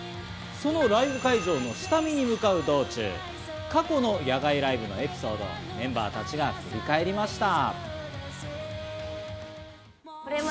そのライブ会場の下見に向かう道中、過去の野外ライブのエピソードをメンバーたちが振り返りました。